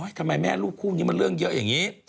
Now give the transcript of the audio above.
ทำไมแม่ลูกคู่นี้มันเรื่องเยอะอย่างนี้